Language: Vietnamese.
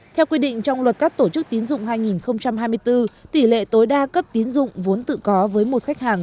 theo quy định trong luật các tổ chức tín dụng hai nghìn hai mươi bốn tỷ lệ tối đa cấp tiến dụng vốn tự có với một khách hàng